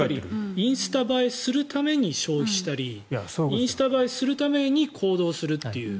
インスタ映えするために消費したりインスタ映えするために行動するという。